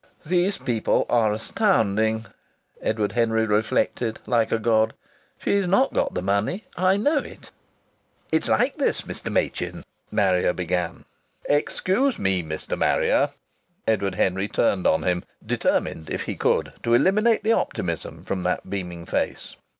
("These people are astounding," Edward Henry reflected, like a god. "She's not got the money. I knew it!") "It's like this, Mr. Machin," Marrier began. "Excuse me, Mr. Marrier," Edward Henry turned on him, determined if he could to eliminate the optimism from that beaming face.